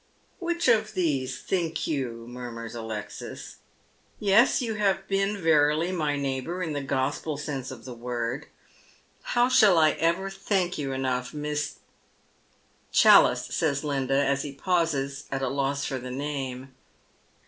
"' Which of these, think you ?'" murmurs Alexis. " Yes, you have been verily my neighbour, in the Gospel sense of the word. How shall I ever thank you enough, Miss "" Challice," says Linda, as he pauses at a loss for the name.